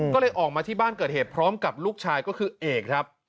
ก็เลยออกมาที่บ้านเกิดเหตุพร้อมกับลูกชายก็คือเอกครับ